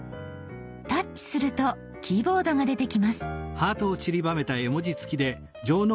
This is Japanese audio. タッチするとキーボードが出てきます。